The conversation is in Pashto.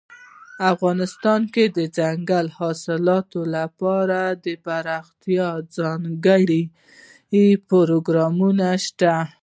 افغانستان کې د ځنګلي حاصلاتو لپاره دپرمختیا ځانګړي پروګرامونه شته.